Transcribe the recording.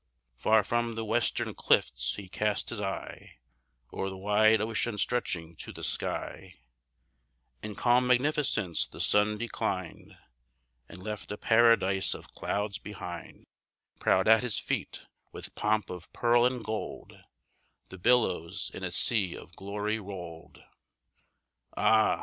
Far from the western cliffs he cast his eye, O'er the wide ocean stretching to the sky: In calm magnificence the sun declined, And left a paradise of clouds behind: Proud at his feet, with pomp of pearl and gold, The billows in a sea of glory roll'd. " Ah!